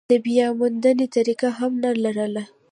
د بیاموندنې طریقه هم نه لرله.